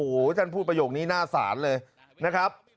โอ้โหท่านพูดประโยคนี้หน้าศาลเลยนะครับ